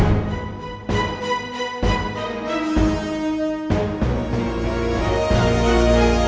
aku memang mohon lebih weet